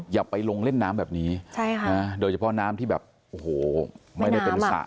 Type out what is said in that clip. อย่าไปลงเล่นน้ำแบบนี้โดยเฉพาะน้ำที่แบบโอ้โหไม่ได้เป็นสระ